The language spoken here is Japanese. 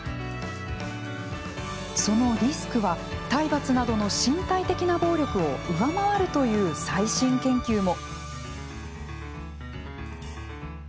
そのリスクは体罰などの身体的な暴力を上回るという最新研究も。